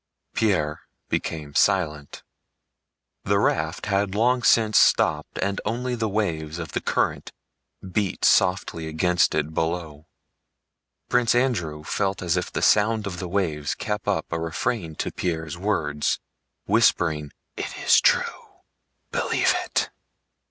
Pierre became silent. The raft had long since stopped and only the waves of the current beat softly against it below. Prince Andrew felt as if the sound of the waves kept up a refrain to Pierre's words, whispering: "It is true, believe it."